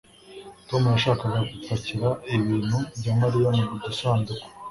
Tom yafashaga gupakira ibintu bya Mariya mu dusanduku